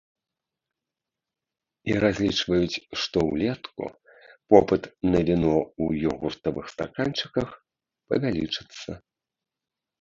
І разлічваюць, што ўлетку попыт на віно ў ёгуртавых стаканчыках павялічыцца.